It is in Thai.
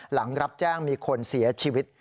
หลังรับแจ้งมีคนเสียชีวิต